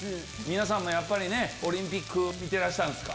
皆さんもやっぱりオリンピック見てたんですか？